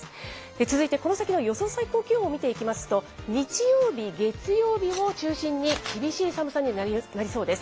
続いてこの先の予想最高気温を見ていきますと、日曜日、月曜日を中心に、厳しい寒さになりそうです。